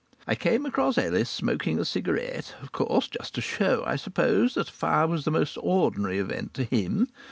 I came across Ellis; smoking a cigarette, of course, just to show, I suppose, that a fire was a most ordinary event to him.